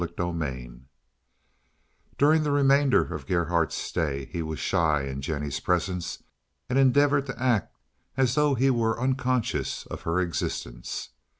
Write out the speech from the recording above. CHAPTER XVI During the remainder of Gerhardt's stay he was shy in Jennie's presence and endeavored to act as though he were unconscious of her existence.